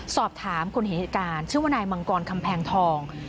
สอบถามคนเห็นเหตุการณ์ชื่อว่านายมังกรคำแพงทอง